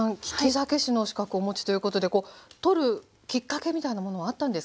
酒師の資格お持ちということで取るきっかけみたいなものはあったんですか？